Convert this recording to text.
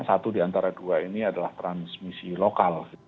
satu diantara dua ini adalah transmisi lokal